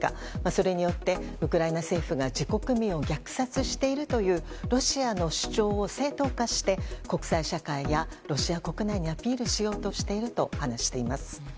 それによってウクライナ政府が自国民を虐殺しているというロシアの主張を正当化して国際社会やロシア国内にアピールしようとしていると話しています。